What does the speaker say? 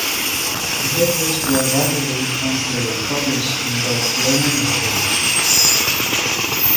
The papers were rapidly translated and published in both German and French.